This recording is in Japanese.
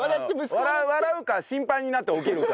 笑うか心配になって起きるか。